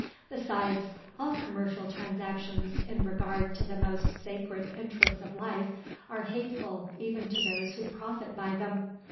Besides, all commercial transactions in regard to the most sacred interests of life are hateful even to those who profit by them.